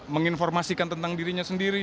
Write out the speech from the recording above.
menginformasikan tentang dirinya sendiri